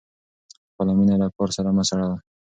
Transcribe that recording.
خپله مینه له کار سره مه سړوه.